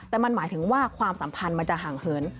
แต่มันหมายถึงว่าความสัมพันธ์มันจะห่างเหิน